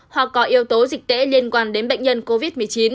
hoặc có yếu tố dịch tễ liên quan đến bệnh nhân covid một mươi chín